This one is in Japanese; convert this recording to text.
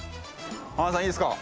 浜田さんいいですか。